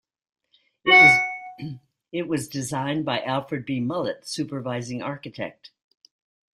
It was designed by Alfred B. Mullett, Supervising Architect.